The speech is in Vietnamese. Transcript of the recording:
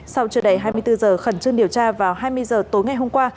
sau trưa đầy hai mươi bốn giờ khẩn trương điều tra vào hai mươi giờ tối ngày hôm qua